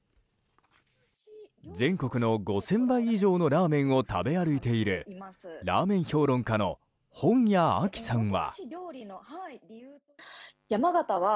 全国の５０００杯以上のラーメンを食べ歩いているラーメン評論家の本谷亜紀さんは。